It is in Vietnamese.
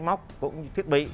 móc cũng như thiết bị